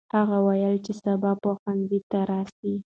هغه وویل چې سبا به ښوونځي ته راسې.